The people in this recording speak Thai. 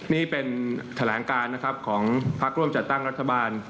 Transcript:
นี่เป็นแถลงการนะครับของพักร่วมจัดตั้งรัฐบาล